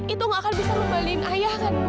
itu nggak akan bisa membalikan ayah kan ibu